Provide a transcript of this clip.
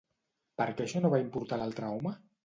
Per què això no va importar a l'altre home?